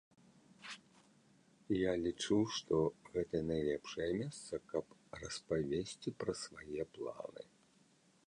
Я лічу, што гэта найлепшае месца, каб распавесці пра свае планы.